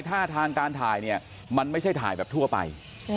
ท่าทางการถ่ายเนี่ยมันไม่ใช่ถ่ายแบบทั่วไป